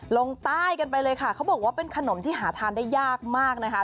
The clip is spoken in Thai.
ลงใต้กันไปเลยค่ะเขาบอกว่าเป็นขนมที่หาทานได้ยากมากนะคะ